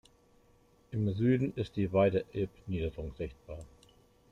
Im Süden ist die weite Elbniederung sichtbar.